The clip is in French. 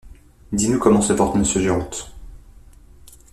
Dis-nous comment se porte Monsieur Géronte.